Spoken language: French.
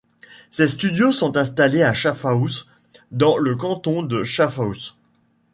Ses studios sont installés à Schaffhouse, dans le canton de Schaffhouse.